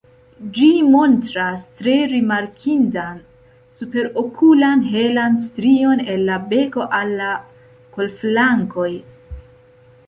Ĝi montras tre rimarkindan superokulan helan strion el la beko al la kolflankoj.